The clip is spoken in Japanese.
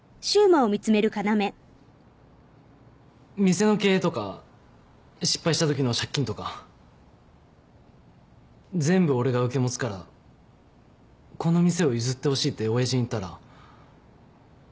店の経営とか失敗したときの借金とか全部俺が受け持つからこの店を譲ってほしいっておやじに言ったら。